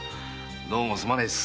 どうもすまねえっす。